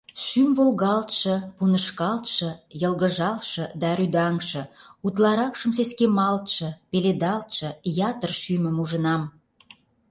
Шӱм волгалтше, Пунышкалтше, Йылгыжалше Да рӱдаҥше, Утларакшым Сескемалтше, Пеледалтше — Ятыр шӱмым ужынам!